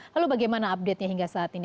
lalu bagaimana update nya hingga saat ini